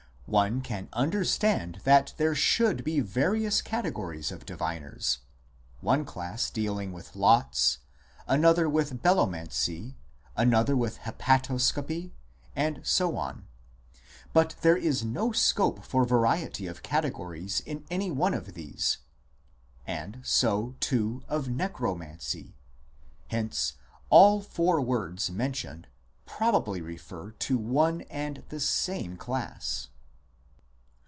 One can understand that there should be various categories of " diviners," one class dealing with Lots, another with Belomancy, another with Hepatoscopy, and so on ; but there is no scope for variety of categories in any one of these ; and so, too, of Necromancy. Hence all four words mentioned probably refer to one and the same class.